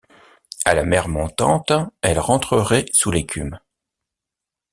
À la mer montante, elles rentreraient sous l’écume.